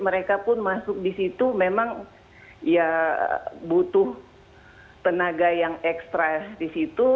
mereka pun masuk di situ memang ya butuh tenaga yang ekstra di situ